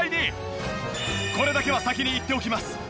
これだけは先に言っておきます。